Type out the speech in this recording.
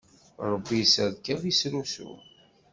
Ṛebbi isserkab isrusu.